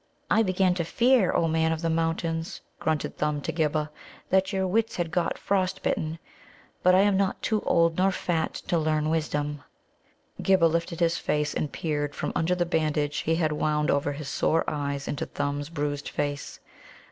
"I began to fear, O Man of the Mountains," grunted Thumb to Ghibba, "that your wits had got frostbitten. But I am not too old nor fat to learn wisdom." Ghibba lifted his face and peered from under the bandage he had wound over his sore eyes into Thumb's bruised face.